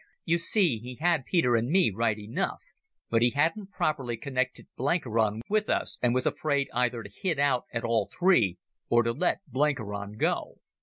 You see, he had Peter and me right enough, but he hadn't properly connected Blenkiron with us, and was afraid either to hit out at all three, or to let Blenkiron go.